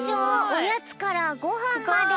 おやつからごはんまで。